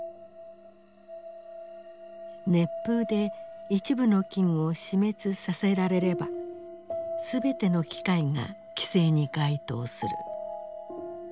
熱風で一部の菌を死滅させられれば全ての機械が規制に該当する。